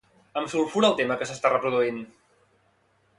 Em sulfura el tema que s'està reproduint.